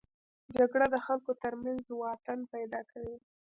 جګړه د خلکو تر منځ واټن پیدا کوي